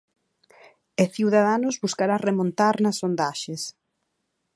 E Ciudadanos buscará remontar nas sondaxes.